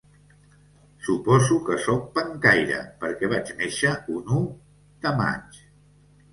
Suposo que soc pencaire perquè vaig néixer un u de maig.